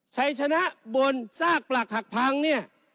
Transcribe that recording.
ชัยชนะบนซากปลักหักพังเนี่ย